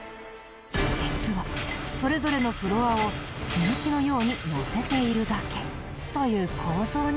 実はそれぞれのフロアを積み木のようにのせているだけという構造にあるみたい。